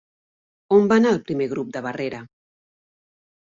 On va anar el Primer Grup de Barrera?